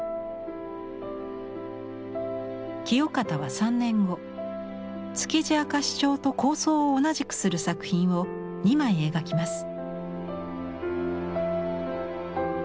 清方は３年後「築地明石町」と構造を同じくする作品を２枚描きます。